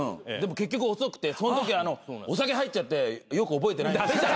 でも結局遅くてそのときお酒入っちゃってよく覚えてないんです。